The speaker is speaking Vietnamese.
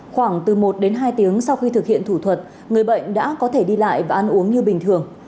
khoảng từ một đến hai tiếng sau khi thực hiện thủ thuật người bệnh đã có thể đi lại và ăn uống như bình thường